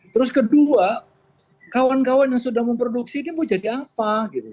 terus kedua kawan kawan yang sudah memproduksi ini mau jadi apa gitu